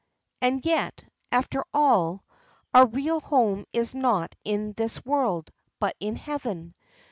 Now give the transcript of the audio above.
And yet, after all, our real home is not in this world, but in heaven.